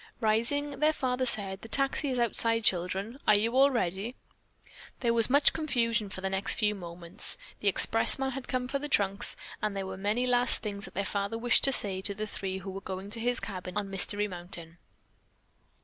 Rising, their father said, "The taxi is outside, children. Are you all ready?" There was much confusion for the next few moments. The expressman had come for the trunks, and there were many last things that the father wished to say to the three who were going to his cabin on Mystery Mountain.